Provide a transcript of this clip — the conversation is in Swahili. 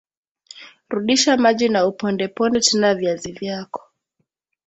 Rudisha maji na upondeponde tena viazi vyako